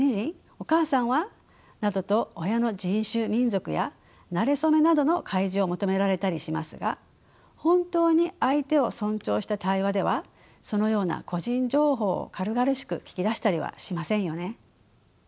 お母さんは？などと親の人種民族やなれ初めなどの開示を求められたりしますが本当に相手を尊重した対話ではそのような個人情報を軽々しく聞き出したりはしませんよね。